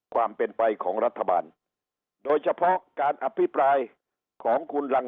ความเป็นไปของรัฐบาลโดยเฉพาะการอภิปรายของคุณรัง